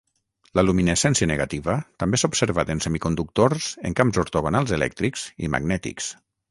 La luminescència negativa també s'ha observat en semiconductors en camps ortogonals elèctrics i magnètics.